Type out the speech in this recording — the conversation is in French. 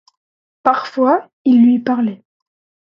Parfois il lui parlait.